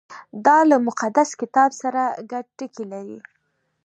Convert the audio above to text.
• دا له مقدس کتاب سره ګډ ټکي لري.